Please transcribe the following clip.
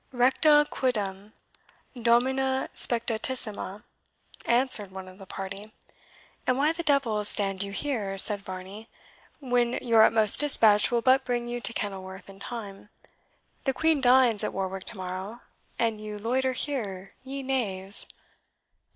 "RECTE QUIDEM, DOMINE SPECTATISSIME," answered one of the party. "And why the devil stand you here?" said Varney, "when your utmost dispatch will but bring you to Kenilworth in time? The Queen dines at Warwick to morrow, and you loiter here, ye knaves."